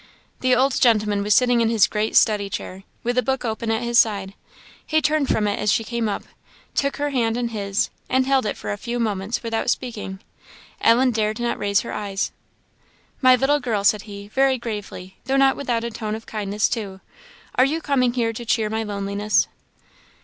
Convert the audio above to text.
The old gentleman was sitting in his great study chair, with a book open at his side. He turned from it as she came up, took her hand in his, and held it for a few moments without speaking. Ellen dared not raise her eyes. "My little girl," said he, very gravely, though not without a tone of kindness, too "are you coming here to cheer my loneliness?"